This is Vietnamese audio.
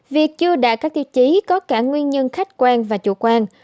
việc chưa đạt các tiêu chí có cả nguyên nhân khách quan và chủ quan